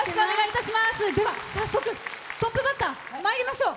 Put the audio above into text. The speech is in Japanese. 早速、トップバッターまいりましょう。